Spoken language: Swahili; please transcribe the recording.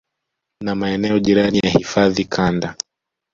na maeneo jirani ya hifadhi Kanda